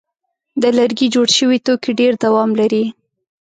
د لرګي جوړ شوي توکي ډېر دوام لري.